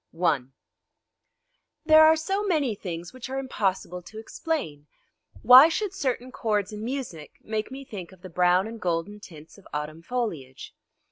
I There are so many things which are impossible to explain! Why should certain chords in music make me think of the brown and golden tints of autumn foliage?